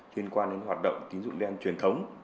liên quan đến hoạt động tín dụng đen truyền thống